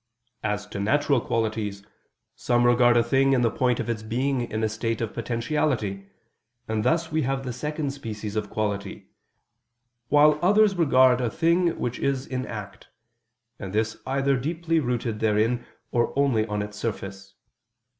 As to natural qualities, some regard a thing in the point of its being in a state of potentiality; and thus we have the second species of quality: while others regard a thing which is in act; and this either deeply rooted therein or only on its surface.